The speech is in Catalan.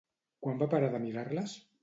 Quan va parar de mirar-les?